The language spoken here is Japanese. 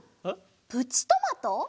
プチトマト？